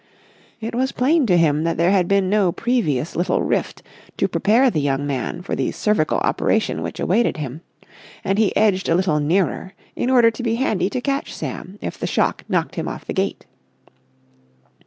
It was plain to him that there had been no previous little rift to prepare the young man for the cervical operation which awaited him, and he edged a little nearer, in order to be handy to catch Sam if the shock knocked him off the gate.